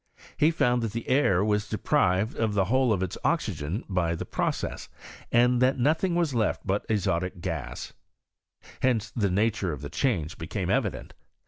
He found that the air was deprived of the whole of its oxygen by the process, and that nothing was left but azotic KEks, Hence the nature of the change became evi dent.